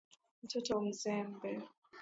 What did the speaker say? Mtoto mzembe.